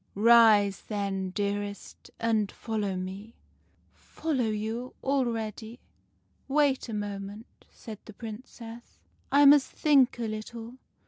"' Rise, then, dearest, and follow me.' " 4 Follow you ? Already ? Wait a moment,' said the Prin cess. 4 1 must think a little.